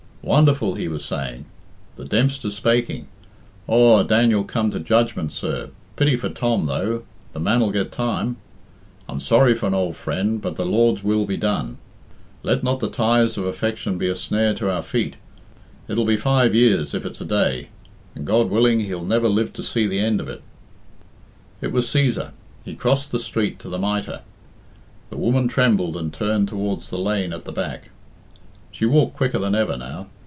"Wonderful!" he was saying. "The Dempster's spaking. Aw, a Daniel come to judgment, sir. Pity for Tom, though the man'll get time. I'm sorry for an ould friend but the Lord's will be done! Let not the ties of affection be a snare to our feet it'll be five years if it's a day, and (D.V.) he'll never live to see the end of it." It was Cæsar. He crossed the street to the "Mitre." The woman trembled and turned towards the lane at the back. She walked quicker than ever now.